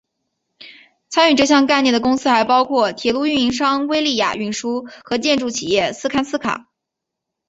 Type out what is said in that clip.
参与这项概念的公司还包括铁路运营商威立雅运输和建筑企业斯堪斯卡。